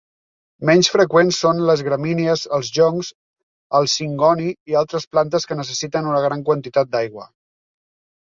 Menys freqüents són les gramínies, els joncs, el singoni i altres plantes que necessiten una gran quantitat d'aigua.